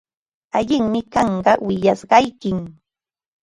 Allinmi kanqa willashqaykim.